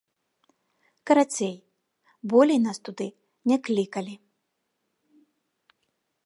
Карацей, болей нас туды не клікалі.